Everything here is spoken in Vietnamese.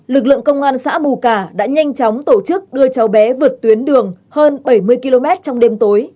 lực lượng công an xã bù cả đã nhanh chóng tổ chức đưa cháu bé vượt tuyến đường hơn bảy mươi km trong đêm tối